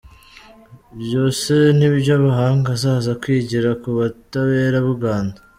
Ibyo se nibyo amahanga azaza kwigira ku butabera bw’u Rwanda?